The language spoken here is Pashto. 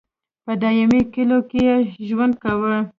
په دایمي کلیو کې یې ژوند کاوه.